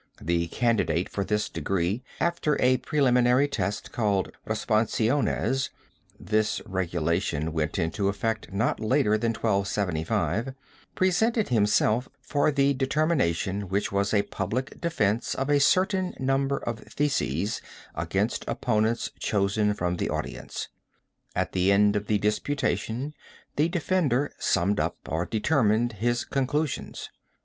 The candidate for this degree, after a preliminary test called responsiones (this regulation went into effect not later than 1275), presented himself for the determination which was a public defense of a certain number of theses against opponents chosen from the audience. At the end of the disputation, the defender summed up, or determined, his conclusions.